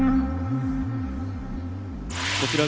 こちら